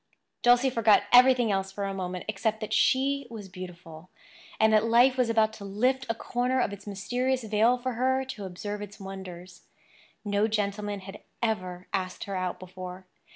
Dulcie forgot everything else for a moment except that she was beautiful, and that life was about to lift a corner of its mysterious veil for her to observe its wonders. No gentleman had ever asked her out before.